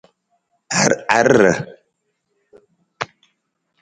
Awur ruu?